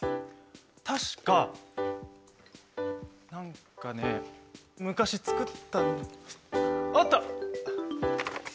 確か何かね昔作ったあった！